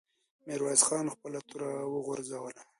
ميرويس خان خپله توره وغورځوله.